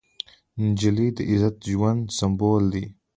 نجلۍ د عزتمن ژوند سمبول ده.